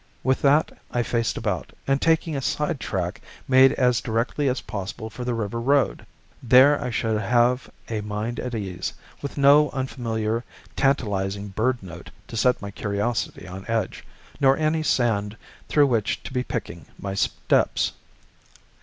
With that I faced about, and, taking a side track, made as directly as possible for the river road. There I should have a mind at ease, with no unfamiliar, tantalizing bird note to set my curiosity on edge, nor any sand through which to be picking my steps.